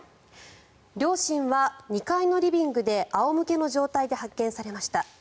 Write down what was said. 両親は２階のリビングで仰向けの状態で発見されました。